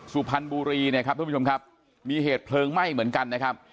สุพรรณบุรีเนี่ยครับทุกผู้ชมครับมีเหตุเพลิงไหม้เหมือนกันนะครับ